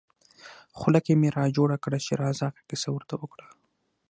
خوله کې مې را جوړه کړه چې راځه هغه کیسه ور ته وکړه.